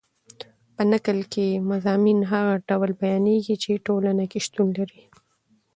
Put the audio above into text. په نکل کښي مضامین هغه ډول بیانېږي، چي ټولنه کښي شتون لري.